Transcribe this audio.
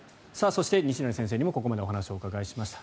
そして西成先生にもここまでお話をお伺いしました。